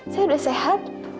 saya udah sehat